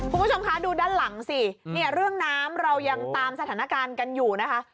คุณผู้ชมคะดูด้านหลังสิเนี่ยเรื่องน้ำเรายังตามสถานการณ์กันอยู่นะคะ